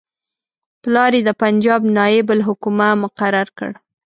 پلار یې د پنجاب نایب الحکومه مقرر کړ.